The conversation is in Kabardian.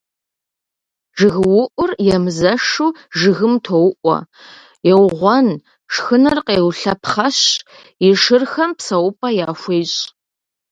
ЖыгыуIур емызэшу жыгым тоуIуэ, еугъуэн, шхыныр къеулъэпхъэщ, и шырхэм псэупIэ яхуещI.